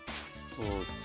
そうですね。